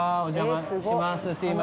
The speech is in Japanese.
お邪魔します